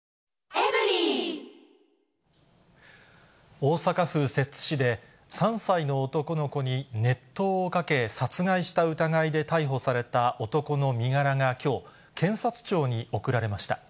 大阪府摂津市で、３歳の男の子に熱湯をかけ、殺害した疑いで逮捕された男の身柄がきょう、検察庁に送られました。